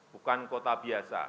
bukan kota biasa